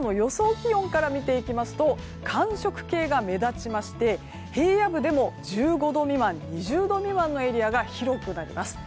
気温から見ていきますと寒色系が目立ちまして平野部でも１５度未満２０度未満のエリアが広くなります。